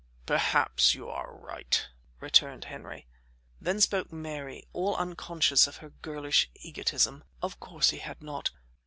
"Perhaps you are right," returned Henry. Then spoke Mary, all unconscious of her girlish egotism: "Of course he had not.